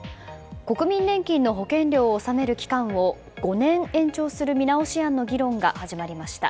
国民年金の保険料を納める期間を５年延長する見直し案の議論が始まりました。